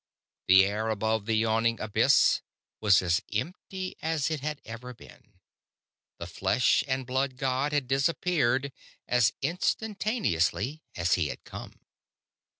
The air above the yawning abyss was as empty as it had ever been; the flesh and blood god had disappeared as instantaneously as he had come!